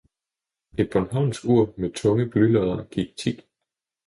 - Et bornholmsk ur med tunge blylodder gik tik!